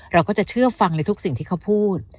เราก็จะเชื่อฟังในทุกสิ่งที่เขาพูด